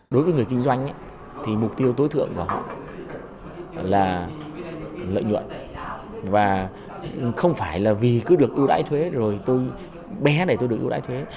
đối với người kinh doanh thì mục tiêu tối thượng là lợi nhuận và không phải là vì cứ được ưu đáy thuế rồi tôi bé để tôi được ưu đáy thuế